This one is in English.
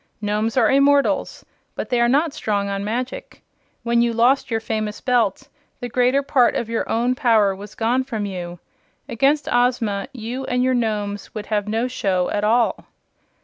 "Nomes are immortals, but they are not strong on magic. When you lost your famous Belt the greater part of your own power was gone from you. Against Ozma you and your Nomes would have no show at all."